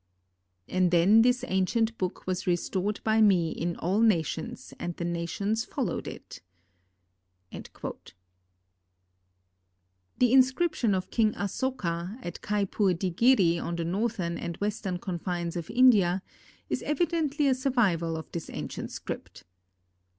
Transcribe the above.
"And then this ancient book was restored by me in all nations and the nations followed it." The inscription of King Asoka, at Kapur di giri on the northern and western confines of India, is evidently a survival of this ancient script.